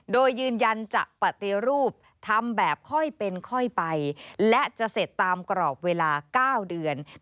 โดยยืนยันจะปฏิรูปทำแบบค่อยเป็นค่อยไปและจะเสร็จตามกรอบเวลา๙เดือน